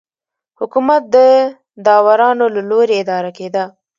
حکومت د داورانو له لوري اداره کېده.